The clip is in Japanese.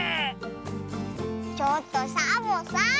ちょっとサボさん。